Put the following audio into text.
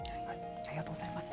ありがとうございます。